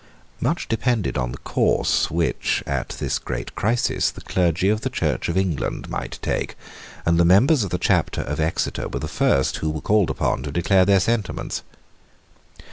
Much depended on the course which, at this great crisis, the clergy of the Church of England might take; and the members of the Chapter of Exeter were the first who were called upon to declare their sentiments.